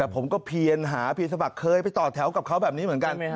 ผมก็เพียนหาเพียนสมัครเคยไปต่อแถวกับเขาแบบนี้เหมือนกัน